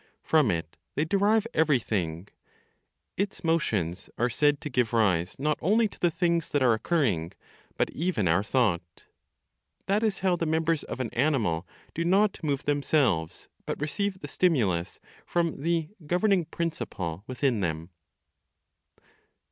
From it they derive everything; its motions are said to give rise not only to the things that are occurring, but even our thought. That is how the members of an animal do not move themselves, but receive the stimulus from the "governing principle" within them.